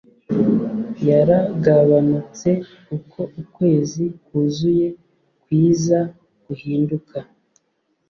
Yaragabanutse uko ukwezi kwuzuye kwiza guhinduka